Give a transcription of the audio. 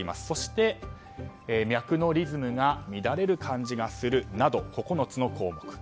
そして、脈のリズムが乱れる感じがするなど９つの項目。